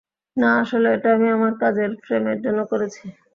না, আসলে এটা আমি আমার কাজের ফ্রেমের জন্য করেছি।